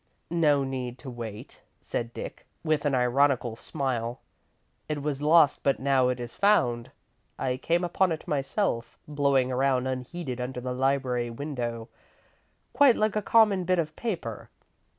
"No need to wait," said Dick, with an ironical smile. "It was lost, but now is found. I came upon it myself, blowing around unheeded under the library window, quite like a common bit of paper."